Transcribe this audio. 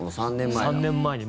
３年前に。